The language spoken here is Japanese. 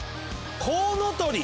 コウノトリ！